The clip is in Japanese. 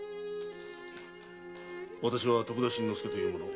私は徳田新之助という者。